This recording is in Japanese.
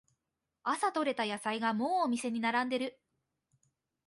朝とれた野菜がもうお店に並んでる